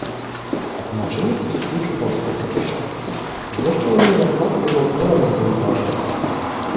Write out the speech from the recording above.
Ако мачењето се случува отсекогаш, зошто оние на власт сега отворено зборуваат за тоа?